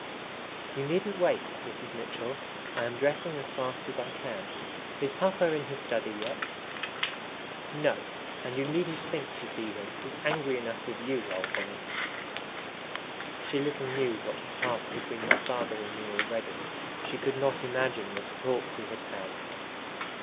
"You needn't wait, Mrs. Mitchell. I am dressing as fast as I can. Is papa in his study yet?" "No. And you needn't think to see him. He's angry enough with you, I'll warrant" She little knew what had passed between my father and me already. She could not imagine what a talk we had had.